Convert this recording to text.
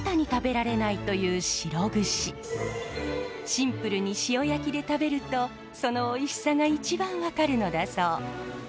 シンプルに塩焼きで食べるとそのおいしさが一番分かるのだそう。